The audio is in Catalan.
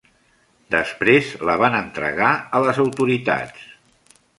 Després la van entregar a les autoritats.